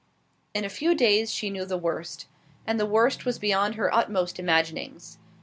In a few days she knew the worst; and the worst was beyond her utmost imaginings.